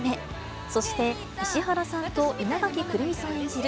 そして石原さんと稲垣来泉さん演じる